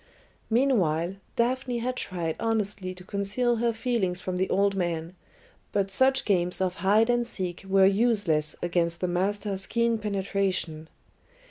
Meanwhile, Daphne had tried honestly to conceal her feelings from the old man, but such games of hide and seek were useless against the master's keen penetration.